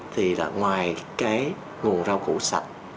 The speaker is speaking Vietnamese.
thì là ngoài cái nguồn rau củ sạch